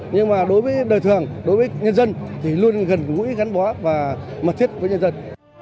nhưng mà đối với đời thường đối với nhân dân thì luôn gần gũi gắn bó và mật thiết với nhân dân